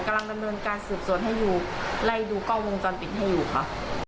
กำลังดำเนินการสืบสวนให้อยู่ไล่ดูกล้องวงจรปิดให้อยู่ค่ะ